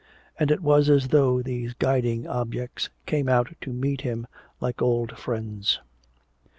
And it was as though these guiding objects came out to meet him like old friends.